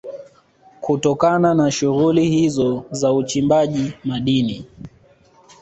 Kutokana na shughuli hizo za uchimbaji madini